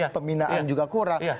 pembinaan juga kurang